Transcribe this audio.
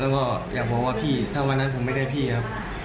แล้วก็อยากบอกว่าพี่ถ้าวันนั้นผมไม่ได้พี่ครับ